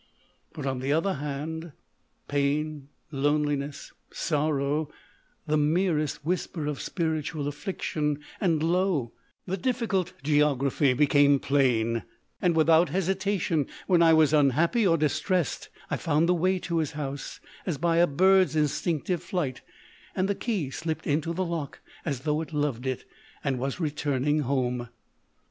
But, on the other hand, pain, loneliness, sorrow â the merest whisper of spiritual affliction â and, lo, in a single moment the difficult geography became plain, and without hesitation, when I was unhappy or distressed, I found the way to his house as by a bird's instinctive flight, and the key slipped into the lock as though it loved it and was returning home.